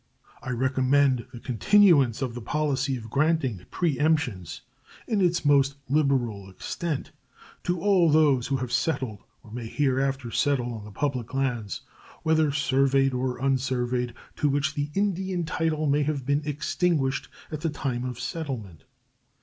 I recommend the continuance of the policy of granting preemptions in its most liberal extent to all those who have settled or may hereafter settle on the public lands, whether surveyed or unsurveyed, to which the Indian title may have been extinguished at the time of settlement.